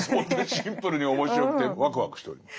シンプルに面白くてワクワクしております。